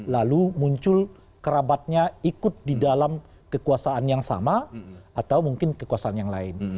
lalu muncul kerabatnya ikut di dalam kekuasaan yang sama atau mungkin kekuasaan yang lain